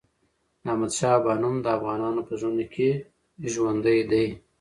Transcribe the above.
د احمد شاه بابا نوم د افغانانو په زړونو کې ژوندی دی.